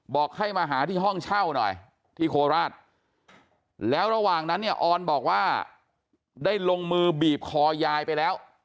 บอกให้มาหาที่ห้องเช่าหน่อยที่โคราชแล้วระหว่างนั้นเนี่ยออนบอกว่าได้ลงมือบีบคอยายไปแล้ว